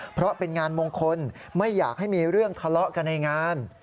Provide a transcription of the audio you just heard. เพราะเป็นงานมงคลไม่อยากให้มีเรื่องทะเลาะกันในงาน